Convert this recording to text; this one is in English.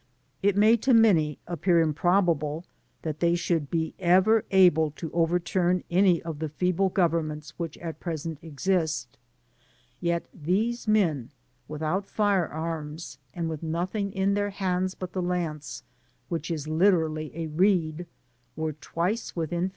It may to many appear improbable that they should be ever able to overturn any of the feeble governments which at present exist ; yet these men, without fire arms, and with nothing in their hand3 but the lance, which is literally a reed, were twice within